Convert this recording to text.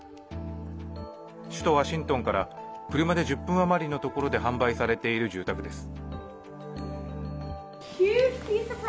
首都ワシントンから車で１０分あまりのところで販売されている住宅です。